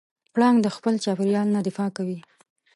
پړانګ د خپل چاپېریال نه دفاع کوي.